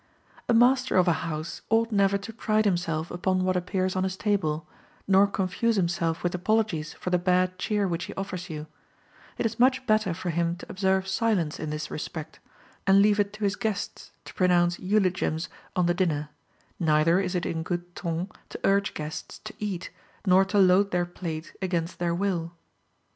A master of a house ought never to pride himself upon what appears on his table, nor confuse himself with apologies for the bad cheer which he offers you; it is much better for him to observe silence in this respect, and leave it to his guests to pronounce eulogiums on the dinner; neither is it in good ton to urge guests to eat nor to load their plate against their will.